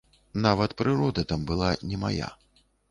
Нават прырода там была не мая.